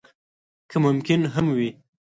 که ممکن هم وي.